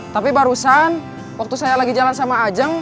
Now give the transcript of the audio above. tapi barusan waktu saya lagi jalan sama ajeng